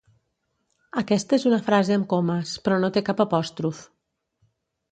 Aquesta és una frase amb comes però no té cap apòstrof.